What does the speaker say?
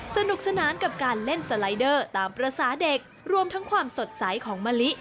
สนุกสนานกับการเล่นสไลเดอร์ตามภาษาเด็กรวมทั้งความสดใสของมะลิ